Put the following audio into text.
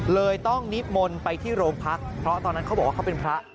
เลยต้องนิมนต์ไปที่โรงพักเพราะตอนนั้นเขาบอกว่าเขาเป็นพระ